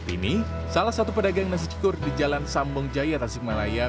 ini salah satu pedagang nasi cikur di jalan sambung jaya tasik malaya